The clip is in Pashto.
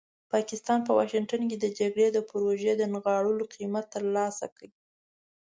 پاکستان په واشنګټن کې د جګړې د پروژې د نغاړلو قیمت ترلاسه کړ.